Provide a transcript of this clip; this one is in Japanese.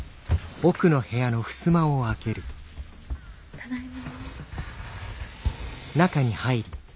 ただいま。